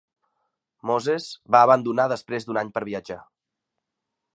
Moses va abandonar després d'un any per viatjar.